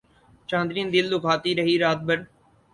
چاندنی دل دکھاتی رہی رات بھر